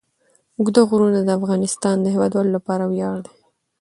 اوږده غرونه د افغانستان د هیوادوالو لپاره ویاړ دی.